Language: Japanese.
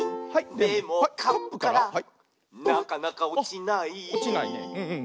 「でもカップからなかなかおちない」